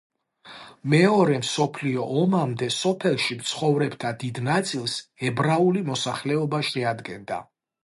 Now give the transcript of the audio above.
მეორე მსოფლიო ომამდე სოფელში მცხოვრებთა დიდ ნაწილს ებრაული მოსახლეობა შეადგენდა.